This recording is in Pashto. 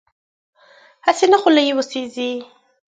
هسې نه خوله یې وسېزي.